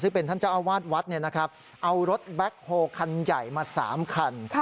ซึ่งเป็นท่านเจ้าอาวาสวัดเอารถแบ็คโฮคันใหญ่มา๓คัน